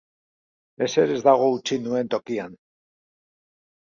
Ezer ez dago utzi nuen tokian.